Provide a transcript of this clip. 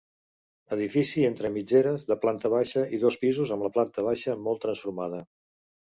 Edifici entre mitgeres, de planta baixa i dos pisos, amb la planta baixa molt transformada.